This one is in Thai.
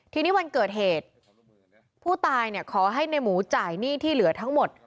ทีนี้วันเกิดเหตุผู้ตายเนี่ยขอให้ในหมูจ่ายหนี้ที่เหลือทั้งหมด